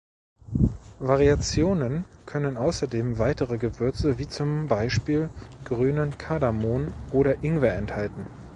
Variationen können außerdem weitere Gewürze wie zum Beispiel grünen Kardamom oder Ingwer enthalten.